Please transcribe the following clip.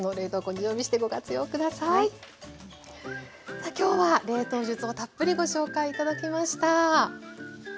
さあ今日は冷凍術をたっぷりご紹介頂きました。